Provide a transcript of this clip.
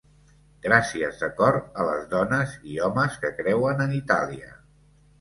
Gràcies de cor a les dones i homes que creuen en Itàlia.